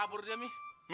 kabur dia mi